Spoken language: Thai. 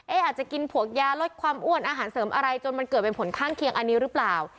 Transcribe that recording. อาจจะกินพวกยาลดความอ้วนอาหารเสริมอะไรจนมันเกิดเป็นผลข้างเคียงอันนี้หรือเปล่า